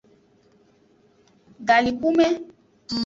Galikume.